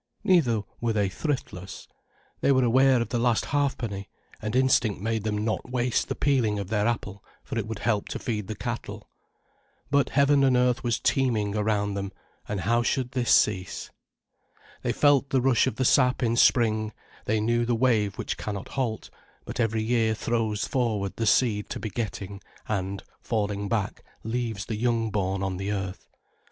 Neither were they thriftless. They were aware of the last halfpenny, and instinct made them not waste the peeling of their apple, for it would help to feed the cattle. But heaven and earth was teeming around them, and how should this cease? They felt the rush of the sap in spring, they knew the wave which cannot halt, but every year throws forward the seed to begetting, and, falling back, leaves the young born on the earth.